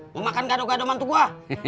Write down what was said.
mau makan gado gado mantu gue